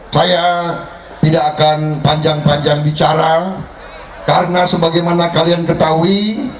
saya tidak akan panjang panjang bicara karena sebagaimana kalian ketahui